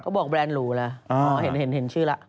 ก็บอกแบรนด์หลู่แล้วเห็นชื่อละ